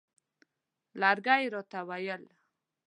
لرګی یې راته وویل.